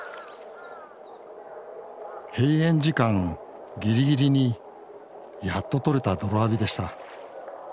閉園時間ギリギリにやっと撮れた泥浴びでした。